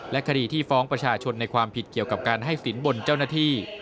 คดีที่ฟ้องประชาชนในความผิดเกี่ยวกับการให้สินบนเจ้าหน้าที่